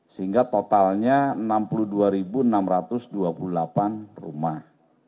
sehingga totalnya enam puluh dua enam ratus dua puluh delapan rumah